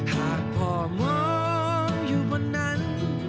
หากพ่อมองอยู่บนนั้น